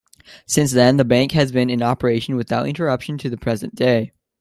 Since then the bank has been in operation without interruption to the present day.